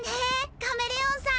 カメレオンさん。